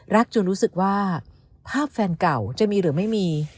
จนรู้สึกว่าภาพแฟนเก่าจะมีหรือไม่มี